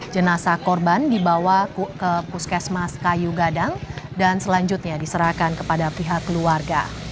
jenasa korban dibawa ke puskesmas kayu gadang dan selanjutnya diserahkan kepada pihak keluarga